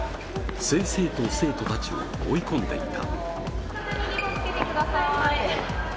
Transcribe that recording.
先生と生徒たちを追い込んでいた。